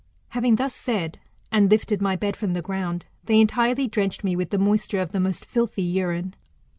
Having thus said, and lifted my bed from the ground, they entirely drenched me with the moisture of the most filthy urine.